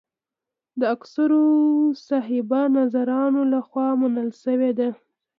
د اکثرو صاحب نظرانو له خوا منل شوې ده.